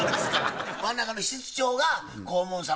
真ん中の室長が黄門様。